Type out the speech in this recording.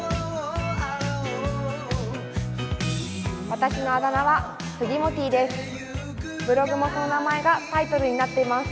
私のあだ名は、すぎもてぃです。